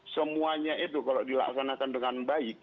semuanya itu kalau dilaksanakan dengan baik